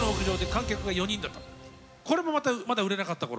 これもまたまだ売れなかった頃。